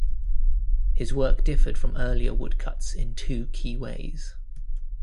His work differed from earlier woodcuts in two key ways.